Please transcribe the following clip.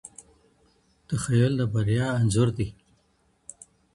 تخیل د بریا انځور دی.